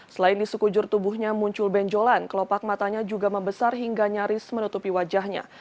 selain di sekujur tubuhnya muncul benjolan kelopak matanya juga membesar hingga nyaris menutupi wajahnya